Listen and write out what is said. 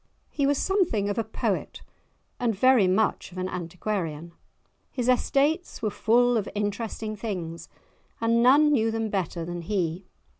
He was something of a poet and very much of an antiquarian. His estates were full of interesting things, and none knew them better than he.